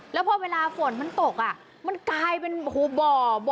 แล้วพอเวลาฝนมันตกมันกลายเป็นบ่อ